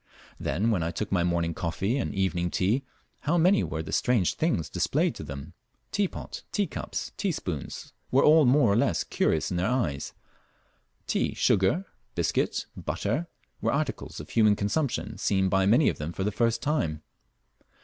Then when I took my morning coffee and evening tea, how many were the strange things displayed to them! Teapot, teacups, teaspoons, were all more or less curious in their eyes; tea, sugar, biscuit, and butter, were articles of human consumption seen by many of them for the first time.